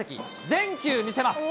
全球見せます。